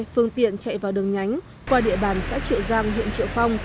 phương tiện chạy vào đường nhánh qua địa bàn xã triệu giang huyện triệu phong